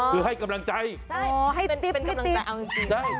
คือให้กำลังใจให้ติ๊บประจำจริงเป็นกำลังใจเอาจริง